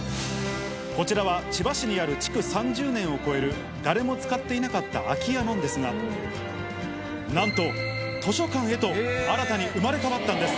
こちらは千葉市にある、築３０年を超える誰も使っていなかった空き家なんですが、なんと図書館へと新たに生まれ変わったんです。